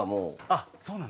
あっそうなんだ。